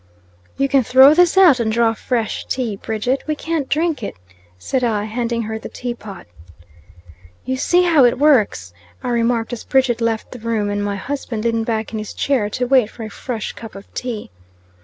"You can throw this out and draw fresh tea, Bridget; we can't drink it," said I, handing her the tea pot. "You see how it works," I remarked as Bridget left the room, and my husband leaned back in his chair to wait for a fresh cup of tea.